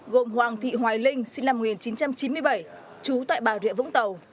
gồm hoàng thị hoài linh sinh năm một nghìn chín trăm chín mươi bảy trú tại bà rịa vũng tàu